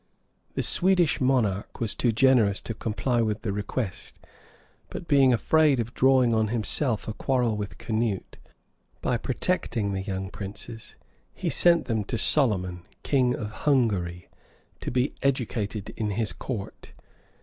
The Swedish monarch was too generous to comply with the request; but being afraid of drawing on himself a quarrel with Canute, by protecting the young princes, he sent them to Solomon, king of Hungary, to be educated in his court.